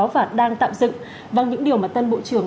và đang tạo dựng và những điều mà tân bộ trưởng